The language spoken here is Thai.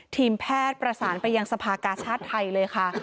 ทีมแพทย์ประสานไปยังสภากาชาติไทยเลยค่ะ